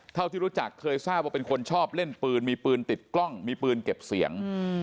เท่าที่รู้จักเคยทราบว่าเป็นคนชอบเล่นปืนมีปืนติดกล้องมีปืนเก็บเสียง